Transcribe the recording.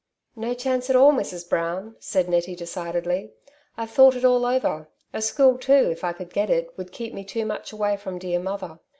"No chance at all, Mrs. Brown," said Nettie decidedly ;" I've thought it all over. A school too, if I could get it, would keep me too much away from dear mother.